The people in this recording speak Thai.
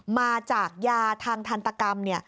มาจากยาทางทันตกรรม